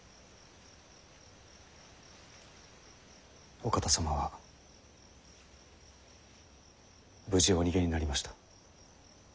お方様は無事お逃げになりました。